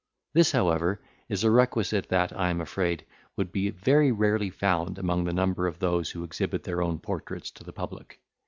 This, however, is a requisite that, I am afraid, would be very rarely found among the number of those who exhibit their own portraits to the public.